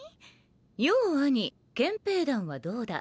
「ようアニ憲兵団はどうだ？